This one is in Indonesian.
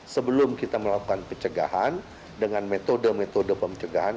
sebelum kita melakukan pencegahan dengan metode metode pencegahan